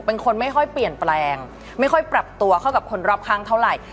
เป็นคนไม่ค่อยเปลี่ยนแปลงไม่ค่อยปรับตัวเข้ากับคนรอบข้างเท่าไหร่